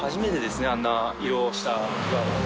あんな色をした岩は。